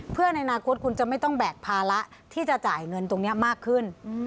เพื่อในอนาคตคุณจะไม่ต้องแบกภาระที่จะจ่ายเงินตรงนี้มากขึ้น